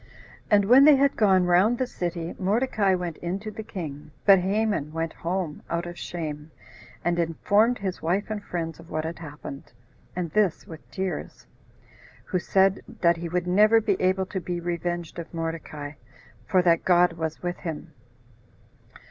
And when they had gone round the city, Mordecai went in to the king; but Haman went home, out of shame, and informed his wife and friends of what had happened, and this with tears; who said, that he would never be able to be revenged of Mordecai, for that God was with him.